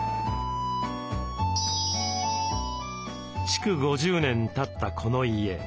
築５０年たったこの家。